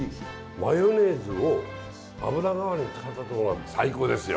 マヨネーズを油代わりに使ったとこが最高ですよ。